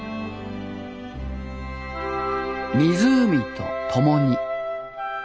湖と共に。